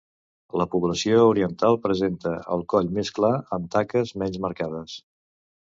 La població oriental presenta el coll més clar amb taques menys marcades.